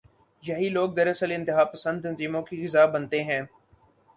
یہی لوگ دراصل انتہا پسند تنظیموں کی غذا بنتے ہیں۔